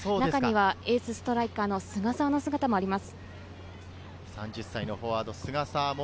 エースストライカーの菅澤選手の姿もあります。